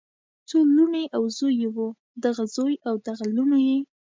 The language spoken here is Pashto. څو لوڼې او زوي یې وو دغه زوي او دغه لوڼو یی